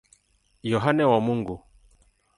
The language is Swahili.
Yohane wa Mungu.